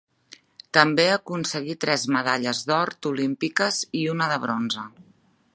També aconseguí tres medalles d'or olímpiques i una de bronze.